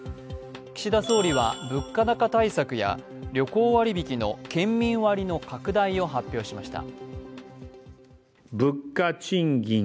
岸田総理は物価高対策や旅行割引の県民割の拡大を発表しました。